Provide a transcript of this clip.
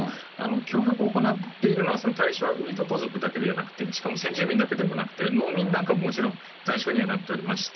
脅迫を行っているのは、対象はウイトト族だけではなくて、しかも先住民だけでもなくて、農民なんかももちろん、対象にはなっておりまして、